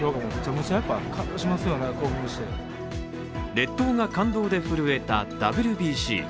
列島が感動で震えたＷＢＣ。